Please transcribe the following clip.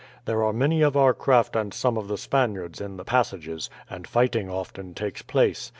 There are many of our craft and some of the Spaniards in the passages, and fighting often takes place.